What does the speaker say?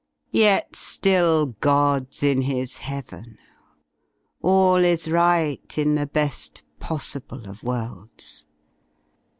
I Tet Still God's in His heaven, all is right ' i In the belt possible of worlds.